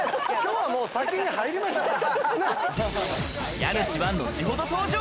家主は後ほど登場。